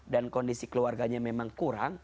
dan kondisi keluarganya memang kurang